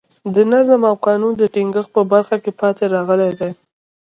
د نظم او قانون د ټینګښت په برخه کې پاتې راغلي دي.